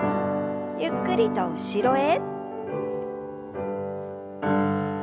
ゆっくりと後ろへ。